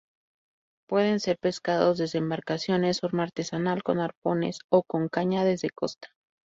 Pueden ser pescados desde embarcaciones, forma artesanal con arpones, o con caña desde costa.